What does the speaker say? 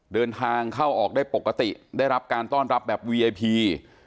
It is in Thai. เดินทางเข้าออกได้ปกติได้รับการต้อนรับแบบวีไอพี